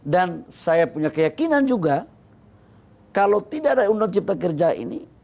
dan saya punya keyakinan juga kalau tidak ada undang undang cipta kerja ini